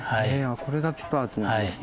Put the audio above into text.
これがピパーズなんですね。